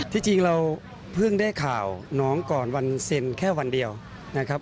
จริงเราเพิ่งได้ข่าวน้องก่อนวันเซ็นแค่วันเดียวนะครับ